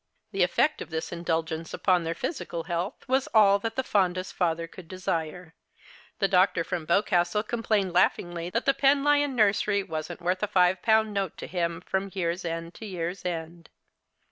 The effect of this indulgence upon their physical health was all that the fondest father could desire. The doctor from Boscastle complained laughingly that the Penlyon nursery wasn't worth a five pound note to him from year's end to year's end.